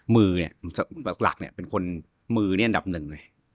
มือเนี่ยหลักเนี่ยเป็นคนมือนี่อันดับหนึ่งเลย